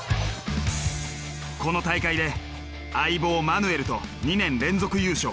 この大会で相棒マヌエルと２年連続優勝。